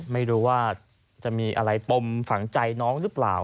ไม่รู้ว่าจะมีอะไรปมฝังใจน้องหรือเปล่า